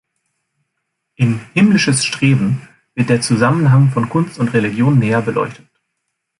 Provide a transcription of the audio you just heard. In "Himmlisches Streben" wird der Zusammenhang von Kunst und Religion näher beleuchtet.